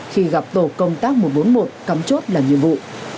khi gặp tổ công tác một trăm bốn mươi một cắm chốt làm nhiệm vụ